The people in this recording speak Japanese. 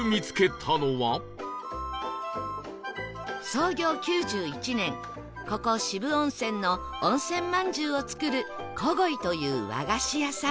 創業９１年ここ渋温泉の温泉まんじゅうを作る小古井という和菓子屋さん